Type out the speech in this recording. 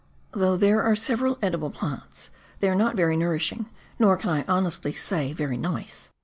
Though there are several edible plants, they are not very nourishing, nor can I honestly say very nice.